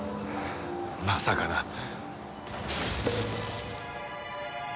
まさかな。